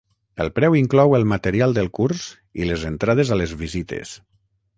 El preu inclou el material del curs i les entrades a les visites.